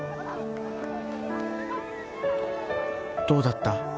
「どうだった？